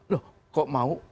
loh kok mau